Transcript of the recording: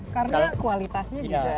karena kualitasnya juga